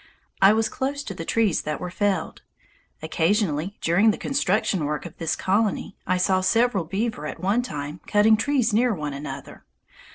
I was close to the trees that were felled. Occasionally, during the construction work of this colony, I saw several beaver at one time cutting trees near one another.